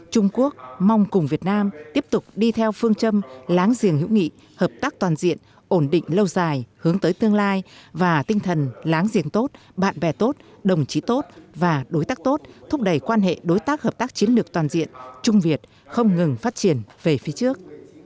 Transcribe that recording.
trung quốc mong cùng việt nam tiếp tục đi theo phương châm láng giềng hữu nghị hợp tác toàn diện ổn định lâu dài hướng tới tương lai và tinh thần láng giềng tốt bạn bè tốt đồng chí tốt và đối tác tốt thúc đẩy quan hệ đối tác hợp tác chiến lược toàn diện trung việt không ngừng phát triển về phía trước